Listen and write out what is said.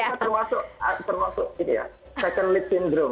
jadi saya termasuk termasuk ini ya second lip syndrome